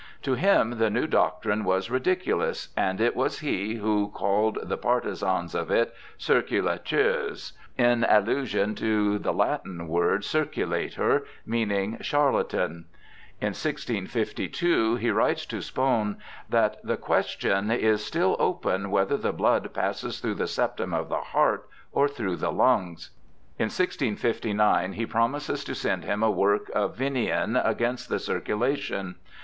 To him the new doctrine was ridiculous, and it was he who called the partisans of it circnlateurs in allusion to the Latin word circulator, meaning char latan. In 1652 he writes to Spohn that the question is still open whether the blood passes through the septum HARVEY 325 of the heart or through the lungs. In 1659 he promises to send him a work of Vinean against the circulation.